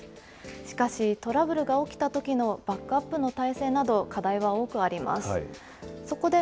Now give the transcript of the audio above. しかし、トラブルが起きたときのバックアップの態勢など、課題は多くあります。